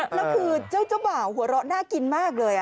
แล้วคือเจ้าบ่าวหัวเราะน่ากินมากเลย